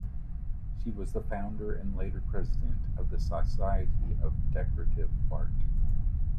She was a founder and later President, of the Society of Decorative Art.